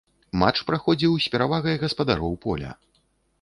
Матч праходзіў з перавагай гаспадароў поля.